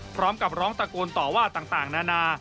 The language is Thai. พร้อมกับร้องตะโกนต่อว่าต่างนานา